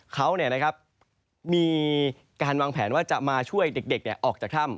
เขามีการวางแผนว่าจะมาช่วยเด็กออกจากถ้ำ